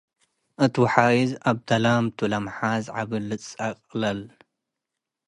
እት ወሓይዝ አብደላምቱ - ለመሓዝ ዐቢ ልጸቅለል